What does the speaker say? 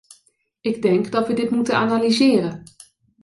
Ik denk dat we dit moeten analyseren.